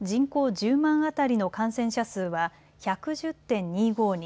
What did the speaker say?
１０万当たりの感染者数は１１０．２５人。